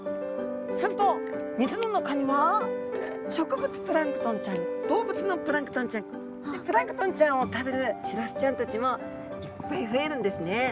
すると水の中には植物プランクトンちゃん動物のプランクトンちゃんでプランクトンちゃんを食べるシラスちゃんたちもいっぱい増えるんですね。